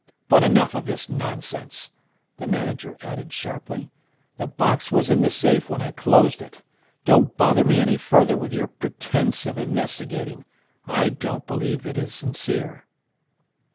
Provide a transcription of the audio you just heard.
"But enough of this nonsense," the manager added sharply. "The box was in the safe when I closed it. Don't bother me any further with your pretense of investigating. I don't believe it is sincere."